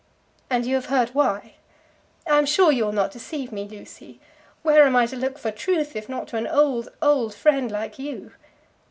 "And you have heard why? I'm sure you will not deceive me, Lucy. Where am I to look for truth, if not to an old, old friend like you?"